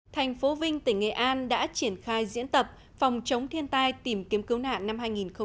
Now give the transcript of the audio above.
thành phố vinh tỉnh nghệ an đã triển khai diễn tập phòng chống thiên tai tìm kiếm cứu nạn năm hai nghìn một mươi chín